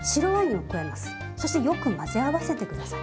そしてよく混ぜ合わせて下さい。